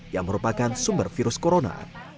yang merupakan sumber virus corona